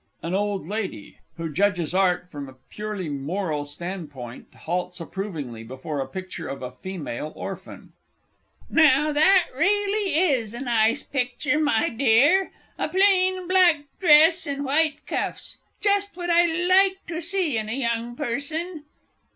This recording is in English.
AN OLD LADY (who judges Art from a purely Moral Standpoint, halts approvingly before a picture of a female orphan). Now that really is a nice picture, my dear a plain black dress and white cuffs just what I like to see in a young person!